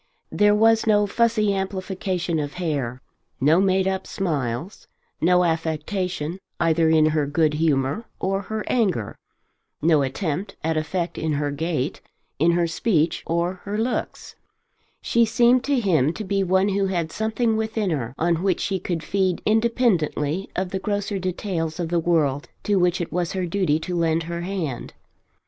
There was no fussy amplification of hair, no made up smiles, no affectation either in her good humour or her anger, no attempt at effect in her gait, in her speech, or her looks. She seemed to him to be one who had something within her on which she could feed independently of the grosser details of the world to which it was her duty to lend her hand.